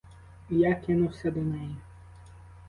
І я кинувся до неї.